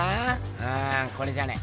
うんこれじゃねえ。